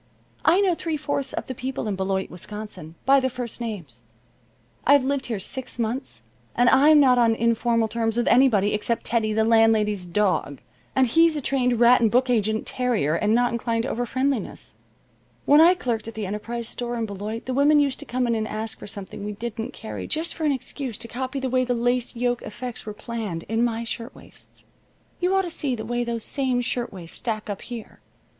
I know three fourths of the people in Beloit, Wisconsin, by their first names. I've lived here six months and I'm not on informal terms with anybody except Teddy, the landlady's dog, and he's a trained rat and book agent terrier, and not inclined to overfriendliness. When I clerked at the Enterprise Store in Beloit the women used to come in and ask for something we didn't carry just for an excuse to copy the way the lace yoke effects were planned in my shirtwaists. You ought to see the way those same shirtwaist stack up here.